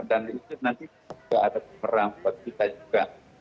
dan itu nanti tidak ada pemeran buat kita juga